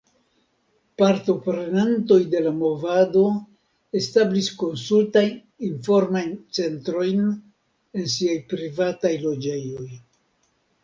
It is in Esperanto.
Partoprenantoj de la movado establis konsultajn-informajn centrojn en siaj privataj loĝejoj.